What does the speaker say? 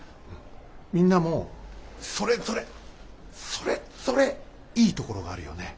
みんなもそれぞれそれぞれいいところがあるよね。